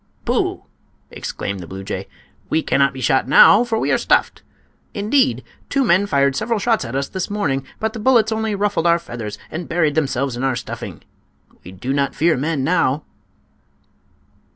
"Pooh!" exclaimed the blue jay, "we cannot be shot now, for we are stuffed. Indeed, two men fired several shots at us this morning, but the bullets only ruffled our feathers and buried themselves in our stuffing. We do not fear men now."